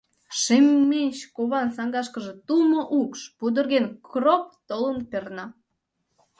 Шемеч куван саҥгашке тумо укш, пудырген, кроп! толын перна.